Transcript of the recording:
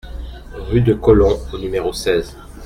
Rue de Colomb au numéro seize